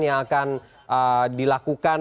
yang akan dilakukan